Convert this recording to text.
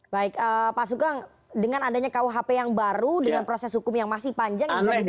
baik pak sugeng dengan adanya kuhp yang baru dengan proses hukum yang masih panjang yang bisa dilakukan